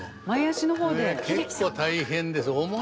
結構大変です。